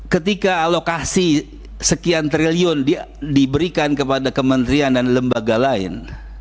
ketika alokasi sekian triliun diberikan kepada kementerian dan lembaga lain